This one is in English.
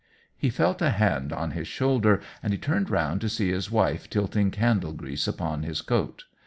He felt a hand on his shoulder, and he turned round to see his wife tilting candle grease upon his coat.